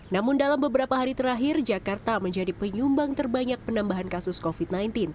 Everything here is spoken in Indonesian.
namun dalam beberapa hari terakhir jakarta menjadi penyumbang terbanyak penambahan kasus covid sembilan belas